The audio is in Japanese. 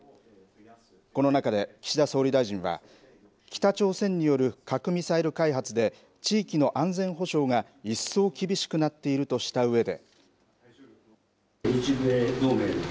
この中で岸田総理大臣は北朝鮮による核・ミサイル開発で地域の安全保障が一層厳しくなっているとしたうえで。